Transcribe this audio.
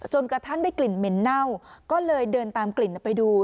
กระทั่งได้กลิ่นเหม็นเน่าก็เลยเดินตามกลิ่นไปดู